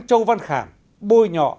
châu văn khảng bôi nhọ